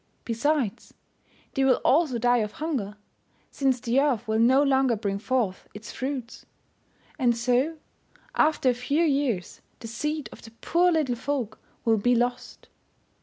Besides, they will also die of hunger, since the earth will no longer bring forth its fruits. And so, after a few years, the seed of the poor little folk will be lost.